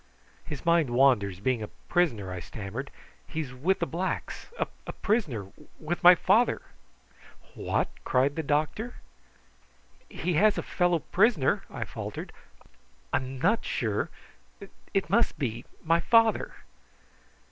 "His mind wanders, being a prisoner," I stammered. "He is with the blacks a prisoner with my father." "What?" cried the doctor. "He has a fellow prisoner," I faltered. "I am not sure it must be my father!"